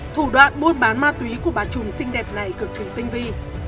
thủ đoạn buôn bán ma túy của bà trùm xinh đẹp này cực kỳ tinh vi